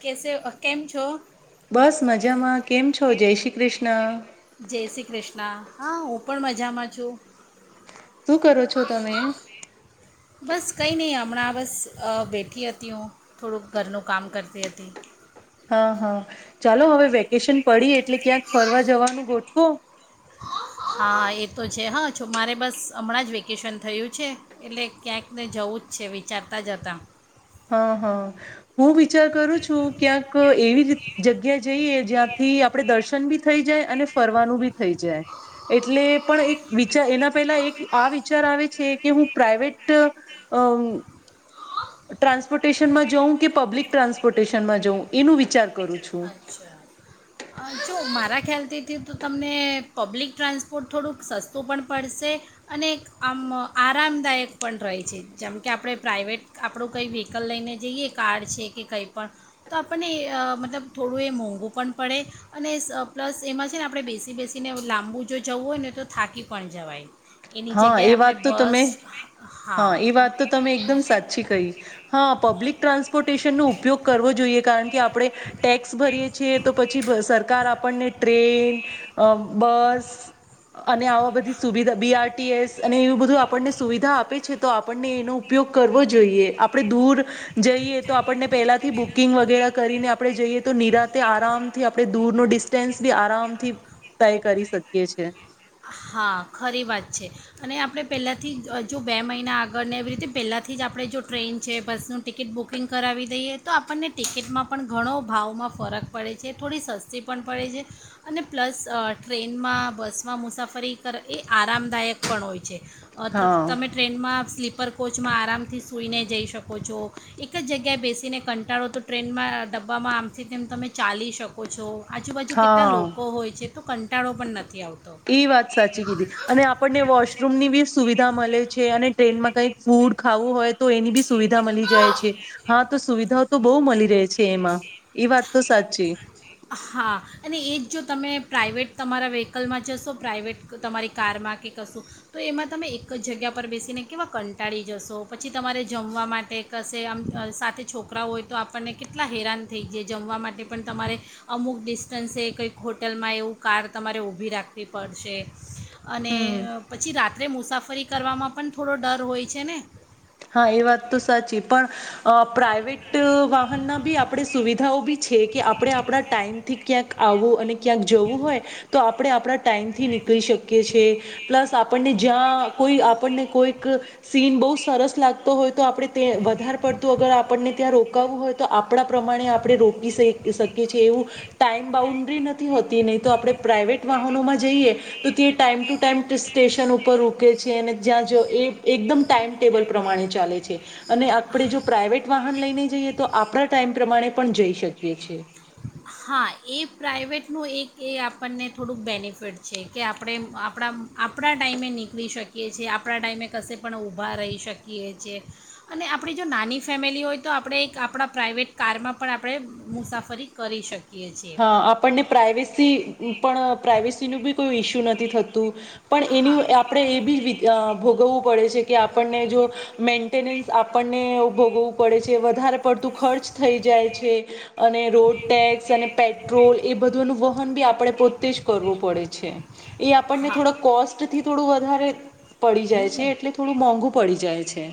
કેસે કેમ છો? બસ મજામાં કેમ છો? જય શ્રી કૃષ્ણ. જય શ્રી કૃષ્ણ હા હું પણ મજામાં છું. શું કરો છો તમે? બસ કંઈ નહીં હમણાં બસ અ બેઠી હતી હું થોડુંક ઘરનું કામ કરતી હતી. હા હા ચાલો હવે વેકેશન પડી એટલે ક્યાંક ફરવા જવાનું ગોઠવું. હા એ તો છે હા છ મારે બસ હમણાં જ વેકેશન થયું છે એટલે ક્યાંકને જવું જ છે વિચારતા જ હતા. હા હા, હું વિચાર કરું છું ક્યાંક એવી જગ્યા જઈએ જ્યાંથી આપણે દર્શન બી થઈ જાય અને ફરવાનું બી થઈ જાય, એટલે પણ એક વિચાર એના પહેલા એક આ વિચાર આવે છે કે હું પ્રાઇવેટ અ ટ્રાન્સપોર્ટેશનમાં જાઉં કે પબ્લિક ટ્રાન્સપોર્ટેશનમાં જાઉં એનું વિચાર કરું છું. અચ્છા અ, જો મારા ખ્યાલથીથી તો તમને પબ્લિક ટ્રાન્સપોર્ટ થોડુંક સસ્તું પણ પડશે, અને આમ આરામદાયક પણ રહે છે, જેમ કે આપણે પ્રાઇવેટ આપણું કંઈ વ્હીકલ લઈને જઈએ કાર છે કે કંઈ પણ, તો આપણને મતલબ થોડું એ મોંઘું પણ પડે. અને પ્લસ એમાં છે ને આપણે બેસી બેસીને લાંબુ જો જવું હોય ને તો થાકી પણ જવાય. એની હા જગ્યાએ એ આપણે વાત તો બસ તમે હા એ વાત તો તમે એકદમ સાચી કહી, હા પબ્લિક ટ્રાન્સપોર્ટેશનનો ઉપયોગ કરવો જોઈએ કારણ કે આપણે, ટેક્સ ભરીએ છીએ તો પછી સ કાર ટ્રેન, બસ, અને આવા બધી સુવિધા બ સુવિધા આપે છે તો આપણને એનો ઉપયોગ કરવો જોઈએ આપણે દૂર, જઈએ તો આપણને પેલાથી બુકિંગ વગેરે કરીને આપણે જઈએ તો નિરાતે આરામથી આપણે દૂરનો ડિસ્ટન્સ બી આરામથી તય કરી શકીએ છે. હા ખરી વાત છે, અને આપણે પહેલાંથી જ જો બે મહિના આગળને એવી રીતે પહેલાંથી જ આપણે જો ટ્રેન છે બસનું ટિકિટ બુકિંગ કરાવી દઈએ તો આપણને ટિકિટમાં પણ ઘણો ભાવમાં ફરક પડે છે થોડી સસ્તી પણ પડે છે, અને પ્લસ ટ્રેનમાં બસમાં મુસાફર ફરી કરર એ આરામદાયક પણ હોય છે. હા તમે ટ્રેનમાં સ્લીપર કોચમાં આરામથી સુઈને જઈ શકો છો. એક જ જગ્યાએ બેસીને કંટાળો તો ટ્રેનમાં ડબ્બામાં આમથી તેમ તમે ચાલી શકો છો. આજુબાજુ કેટલા હા લોકો હોય છે. તો કંટાળો પણ નથી. નથી આવતો. એ વાત સાચી કીધી, અને આપણને વોશરૂમ ની બી સુવિધા મળે છે અને ટ્રેનમાં કઈક ફૂડ ખાવું હોય તો એની બી સુવિધા મળી જાય છે, હા તો સુવિધા તો બહુ મળી રહે છે, એમાં એ વાત તો સાચી હા અને એ જ જો તમે પ્રાઇવેટ તમારા વ્હીકલમાં જશો પ્રાઇવેટ તમારી કારમાં કે કશું, તો એમાં તમે એક જ જગ્યા પર બેસીને કેવા કંટાળી જશો પછી તમારે જમવા માટે કશે આમ સાથે છોકરાઓ હોય તો આપણને કેટલા હેરાન થઈ જાય જમવા માટે પણ તમારે, અમુક ડિસ્ટન્સે કંઈક હોટલમાં એવું કાર તમારે ઊભી રાખવી પડશે. અને હમ પછી રાત રાત્રે મુસાફરી કરવામાં પણ થોડો ડર હોય છે ને. હા એ વાત તો સાચી પણ, પ્રાઇવેટ વાહનના બી આપણે સુવિધાઓ બી છે કે આપણે આપણા ટાઈમથી ક્યાંક આવો અને ક્યાંક જવું હોય, તો આપણે આપણા ટાઈમથી નીકળી શકીએ છએ, પ્લસ આપણને જ્યાં કોઈ આપણને કોઈક સીન બહ સરસ લાગતો હોય તો આપણે વધારે પડતું અગર આપણને ત્યા રો રકાવવું હોય તો આપણા પ્રમાણે આપણે રોકી શકીએ છીએ એવું, ટાઈમ બાઉન્ડ્રી નથી હોતી નહી તો આપણે પ્રાઇવેટ વાહનોમાં જઈએ, તો તે ટાઈમ ટુ ટાઈમ સ્ટેશન ઉપર રૂકે છે અને જ્યાં જો એ એકદમ ટાઈમ ટેબલ પ્રમાણે ચાલે છે, અને આપણે જો પ્રાઇવેટ વાહન લઈને જઈએ તો આપણા ટાઈમ પ્રમાણે પણ જઈ શકીએ છીએ. હા એ પ્રાઇવેટનું એક એ આપણને થોડુંક બેનિફિટ છે કે આપણે આપણા આપણા ટાઈમે નીકળી શકીએ છે છેએ આપણા ટાઈમે કશે પણ ઊભા રહી શકીએ છીએ, અને આપણી જો નાની ફેમિલી હોય તો આપણે એક આપણા પ્રાઇવેટ કારમાં પણ આપણે મુસાફરી કરી શક હા આપણને પ્રઇવેસી પણ પ્રવેસ નું બી કોઈ ઈશ્યુ નથી થતું. પણ હા એની આપણે એ બી ભોગવવું પે કે આપણને જો, મેન્ટેનન્સ આપણને ભોગવું પડે છે વધારે પડતું ખર્ચ થઈ જાય છે. અને રોડ ટેક્સ અને પેટ્રોલ એ બધું નું વહન બી આપડે પોતે જ કરવું પડે છે. એ આપણને હા થોડાક કોસ્ટ થી થોડું વધારે પડી જાય છે, એટલે થોડું મોંઘુ પડી જાય છે.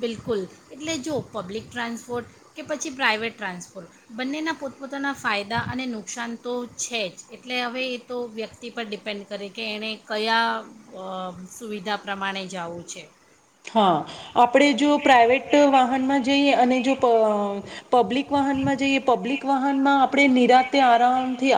બિલકુલ એટલે જો પબ્લિક ટ્રાન્સપોર્ટ કે પછી પ્રાઇવેટ ટ્રાન્સપોર્ટ બંનેના પોતપોતાના ફાયદા અને નુકસાન તો છે જ એટલે હવે એ તો વ્યક્તિ પર ડિપેન્ડ કરે કે એણે કયા સુવિધા પ્રમાણે જવું છે. હા આપણે જો પ્રાઈવેટ વાહનમાં જઈએ અને જો પબ્લિક વાહનમાં જઈએ પબ્લિક વાહનમાં આપણે નિરાતે આરામથી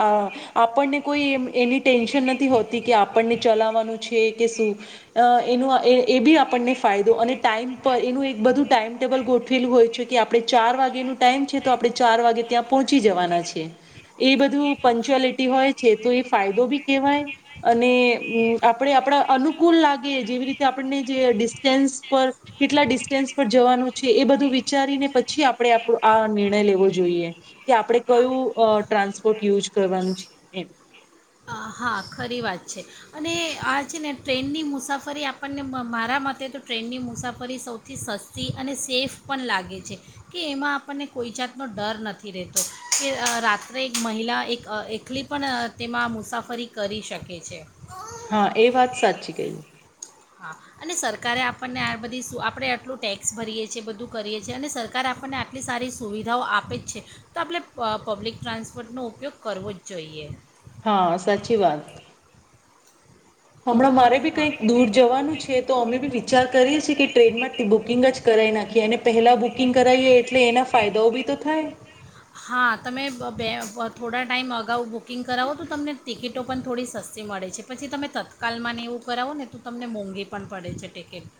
આપણને કોઈ એની ટેન્શન નથી હોતી કે આપણને ચલાવાનું છે, કે શુંનું એ બી આપને ફદો અને ટાઈમ પર એનું એક બધું ટાઈમ ટેબલ ગોઠવેલું હોય છે કે આપણે ચાર વાગેનું ટાઈમ છે તો આપણે ચાર વાગે ત્યાં પહોંચી જવાના છે. એ બધું [unintelligible] હોય છે, તો એ ફાયદો બી કેહેવાય અને આપણે આપણા અનુકૂળ લાગે જેવી રીતે આપણને જે [unintelligible] પર કેટલા ડિસ્ટન્સ પર જવાનું છે, એ બધું વિચારીને પછી આપણે આપ આ નિર્ણય લેવો જોઈએ કે આપણે કયું ટ્રાન્સપોર્ટ યુઝ કરવાનું છે. એમ. હા ખરી વાત છે, અને આ છે ને ટ્રેનની મુસાફરી આપણને મારા મતે તો ટ્રેનની મુસાફરી સૌથી સસ્તી અને સેફ પણ લાગે છે, કે એમાં આપણને કોઈ જાતનો ડર નથી રહેતો કે રાત્રે એક મહિલા એક એકલી પણ તેમાં મુસાફ ફરી કરી શકે છે. હા એ વાત સાચી કહી. હા અને સરકારે આપણને આ બધી આપણે આટલું ટેક્સ ભરીએ છીએ બધું કરીએ છીએ અને સરકારે આપણને આટલી સારી સુવિધાઓ આપે જ છે, તો આપણે પબ્લિક ટ્રાન્સપોર્ટનો ઉપયોગ કરવો જ જોઈએ. હા સાચી વાત. હમણાં મારે બી હા કંઈક દૂર જવાનું છે, તો અમે બી વિચાર કરીએ છીએ કે ટ્રેનમાં બુકિંગ જ કરાવી નાખીએ અને પહેલા બુકિંગ કરાવીએ એટલે એના ફાયદાઓ બી તો થાય. હા તમે બે થોડા ટાઈમ અગાઉ બુકિંગ કરાવો તો તમને ટિકિટો પણ થોડી સસ્તી મળે છે, પછી તમે તત્કાલમાં એવું કરાવો ને તો તમને મોંઘી પણ પડે છે, ટિકિટ.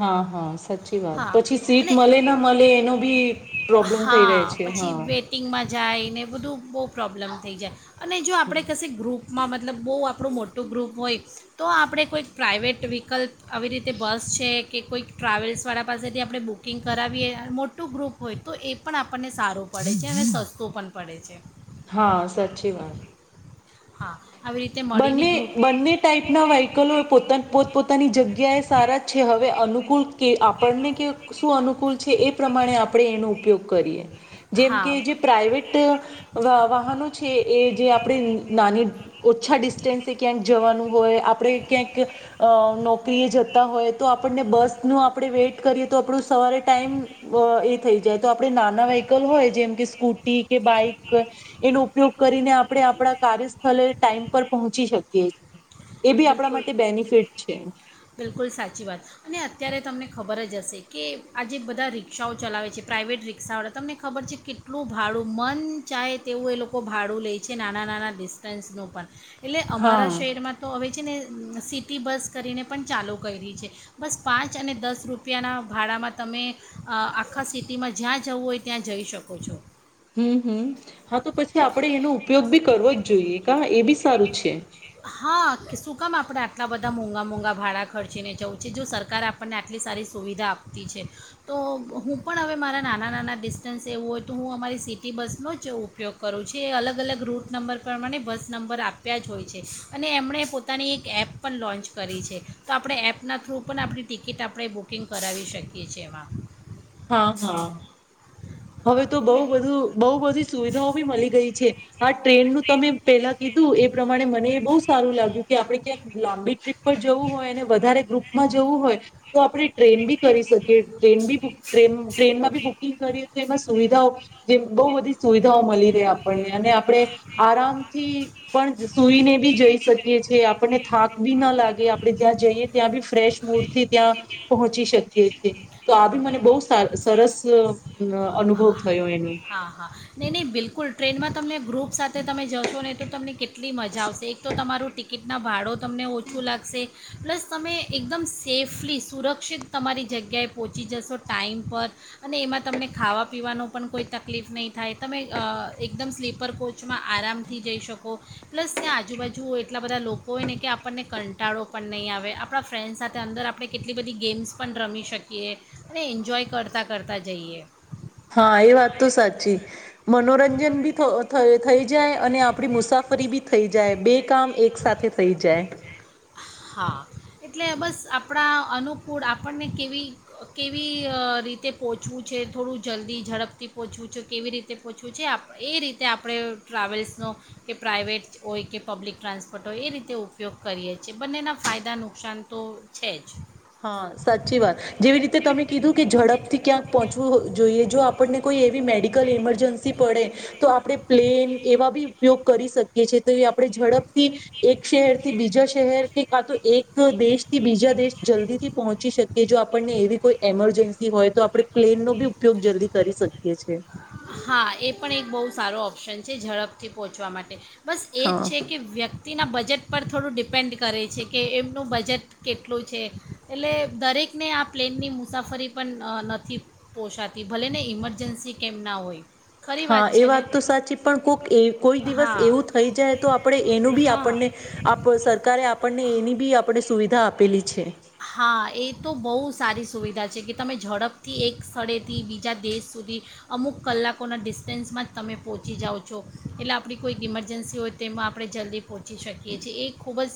હા હા. સાચી વાત હા પછી સીટ અને મળે ના મળે એનો બી પ્રોબ્લેમ થઈ રહે છે, હા. જાયને બધું બહુ પ્રોબ્લેમ થઈ જાય અને જો હમ. આપણે કશે ગ્રુપ માં મતલબ બહુ આપણું મોટું ગ્રુપ હોય તો આપણે કોઈક પ્રાઇવેટ વ્હીકલ્પ આવી રીતે બસ છે, કે કોઈક ટ્રાવેલ્સ વાળ પાસેથી આપણે બુકિંગ કરાવીએ મોટું ગ્રુપ હોય તો એ પણ આપણને સારું પડે છે અને સસ્તું પણ પડે છે. હા સાચી વાત. હા. આવી રીતે મળીને બંને ગ્રુપ બંને ટાઈપના વ્હકલો પોતા પોતપોતાની જગ્યાએ સારા છે, હવે અનુકૂળ કે આપણને કે શું અનુ [unintelligible] છે, એ પ્રમાણે આપણે એનો ઉપયોગ કરીએ. જેમ હા કે જે બ- પ્રાઈવેટ વાહનો છે, એ જે આપણે નાની ઓછા ડિસ્ટન્સે ક્યાંક જવાનું હોય આપણે ક્યાંક નોક [unintelligible] જતા હોય તો આપણને બસ નું આપણે વેઇટ કરીએ તો આપણું સવારે ટાઈમ એ થઈ જાય તો આપણે નાના [unintelligible] હોય જેમ કે સ્કૂટી કે બાઈક એનો ઉપયોગ કરીને આપણે આપણા કાર્યસ્થળ ટાઈમ પર પહોંચી શકીએ છીએ. એ બી આપણા બિલકુલ માટે બેનિફિટ છે બિલકુલ સાચી વાત અને અત્યારે તમને ખબર જ હશે કે આજે બધા રી્ષાઓ ચલાવે છે પ્રાઇવેટ રિક્ષાવાળા તમને ખબર છે, કેટલું ભાડું મન ચાહે તેવું એ લોકો ભાડું લે છે, નાના નાના ડિસ્ટન્સનું પણ એટલે હા અમારા શહેરમાં હોય છે ને સિટી બસ કરીને પણ ચાલુ કરી રહી છે બસ પાંચ અને દસ રૂપિયાના ભાડામાં તમે આ આખા સિટીમાં જ્યાં જવું હોય ત્યાં જઈ શકો છો. હમ્મ હમ્મ હા તો પછી આપડણે એનો ઉપયોગ બી કરવો જ જોઈએ કા એ બી સારું છે. હું કામ આપણે આટલા બધા મોંઘા મોંઘા ભાડાં ખર્ચીને જવુ છે જો સરકારે આપણને આટલી સારી સુવિધા આપતી છે તો હું પણ હવે મારા નાના નાના ડિસ્ટન્સ એવું હોય તો હું અમારી સિટી બસનો જ ઉપયોગ કરું છું એ અલગ અલગ રૂટ નંબર પ્રમાણે બસ નંબર આપ આપ્યા જ હોય છે અને એમણે પોતાની એક એપ પણ લોન્ચ કરી છે તો આપણે એપના થ્રુ પણ આપણી ટિકિટ આપણે બુકિંગ કરાવી શકીએ છીએ એમાં હા હા હવે હા તો બો એટલે બધું બહુ બધી સુવિધાઓ ભી મળી ગઈ છે આ ટ્રેનનું તમે પેલા કીધું એ એ પ્રમાણે મને એ બહુ સારું લાગ્યું કે આપડણે ક્યાંક લાંબી ટ્રીપ પર જવું હોય અને વધારે ગ્રુપમાં જવું હોય તો આપણે ટ્રેન ભી કરી શકીએ ટ્રેન બુક ટ્રેન ટ્રેનમાં બુક [inaudible] એમાં સુવિધાઓ જે બો બધી સુવિધાઓ મલી રહે આપણને અને આપણે હા આરામથી પણ સુઈને ભી જઈ શકીએ છીએ આપણને થાક ભી ના લાગે આપડે જ્યા જઈએ ત્યાં ભી ફ્રેશ મૂડથી ત્યાં પહોંચી શકીએ છીએ તો આ ભી મને બો સરસ અ અનુભવ થયો એનો. હા હા નહી નહી બિલકુલ ટ્રેનમાં તમને ગ્રુપ સાથે તમે જશો ને તો તમને કે કેટલી મજા આવશે એક તો તમારું ટિકિટના ભાડો તમને ઓછું લાગશે પ્લસ તમે એકદમ સેફલી સુરક્ષિત તમારી જગ્યાએ પહોંચી જશો ટાઈમ પર અને એમાં તમને ખાવા પીવાનો પણ કોઈ તકલીફ નહીં થાય તમે અ એકદમ સ્લીપર કોચમાં આરામથી જઈ શકો પ્લસ ત્યાં આજુબાજુ એટલા બધા લોકો હોય ને કે આપણને કંટાળો પણ નહીં આવે આપણા ફ્રેન્ડ્સ સાથે અંદર આપણે કેટલી બધી ગેમ્સ પણ રમી શકીએ અને એન્જોય કરતાં કરતાં જઈએ હા એ વાત તો સાચી મનોરંજન ભી થ થ થઈ જાય અને આપડી મુસાફરી ભી થઈ જાય બે. કામ એક સાથે થઈ જાય. હા એટલે બસ આપણા અનુકૂળ આપણને કેવી કેવી રીતે પહોંચવું છે થોડું જલ્દી ઝડપથી પહોંચવું છે કેવી રીતે પહોંચવું છે એ રીતે આપણે ટ્રાવેલ્સનો કે પ્રાઇવેટ હોય કે પબ્લિક ટ્રાન્સપોર્ટ હોય એ રીતે ઉપયોગ કરીએ છીએ. બંનેના ફાયદા નુકસાન તો છે જ. હા સાચી વાત જેવી રીતે તમે કીધું કે ઝડપથી ક્યાંક પહોંચવું જોઈએ જો આપણને કોઈ એવી મેડિકલ ઈમરજન્સી પડે તો આપણે પ્લેન એવા બી ઉપયોગ કરી શકીએ છે. આપણે ઝડપથી એક થી બીજા શહેર કે કા તો એક દેશથી બીજા દેશ. જલ્દી થી પહોંચી શકીએ જો આપણને એવી કોઈ એમરજન્સી હોય તો આપણે પ્લેનનો બી ઉપયોગ જલ્દી કરી શકીએ છી. હા થી પહોંચવા માટે. બસ એ જ હા છે કે વ્યક્તિના બજેટ પર થોડું ડિપ. ડિપેન્ડ કરે છે કે એમનું બજેટ. કેટલું છે એટલે દરેકને આ પ્લેનની મુસાફરી પણ નથી પોષાતી ભલે ને ઇમરજન્સી કેમ. ના હો. હા એ વાત તો સાચી પણ કોઈક કોઈ દિવસ હા એવું થઈ જાય તો આપણે એનું બી હા આપણને સરકારે આપણને એની બી આપણે સુ સુવિધા આપેલી છે. હા એ તો બહુ સારી સુવિધા છે કે તમે ઝડપથી એક સ્થળેથી બીજા દેશ સુધી અમુક કલાકોના ડિસ્ટન્સમાં જ તમે પહોંચી જાઓ છો. એટલે આપણી કોઈક ઇમરજન્સી હોય તેમાં આપણે જલ્દી પહોંચી શકીએ છીએ. એ ખૂબ જ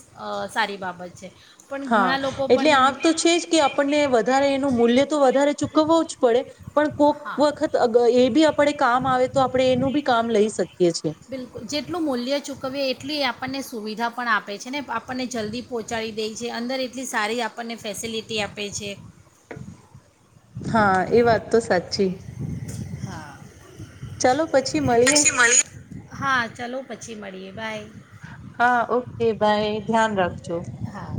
સારી બાબત છે. પણ હા ઘણા લોકો એટલે આ તો પણ છે જ કે આપણને વધારે એનું મૂલ્ય તો વધારે ચૂકવો જ પડ પડે પણ કોક હા વખત અગ એ બી અ આપડે કામ આવે તો આપણે એનું બી કામ લઈ શકીએ. છીએ બિલકુલ. જેટલું મૂલ્ય ચૂકવવીએ એટલી આપ આપણને સુવિધા પણ આપે છે ને આપણને જલ્દી પહોંચાડી દે છે. અંદર એટલી સારી આપણને ફેસિલિટી આપે છે. હા. એ વાત તો સાચી. હા ચાલો પછી મળીએ. હા ચાલો પછી પછી મળીએ, બાઈ. હા ઓકે બાઈ. ધ્યાન રાખજો. જો હા